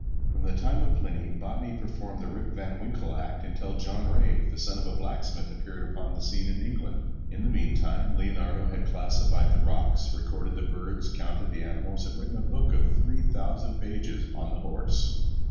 From the time of Pliny, botany performed the Rip Van Winkle act until John Ray, the son of a blacksmith, appeared upon the scene in England. In the meantime, Leonardo had classified the rocks, recorded the birds, counted the animals and written a book of three thousand pages on the horse.